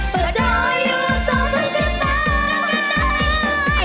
เพราะเจ้าอยู่กับฉันก็ใจ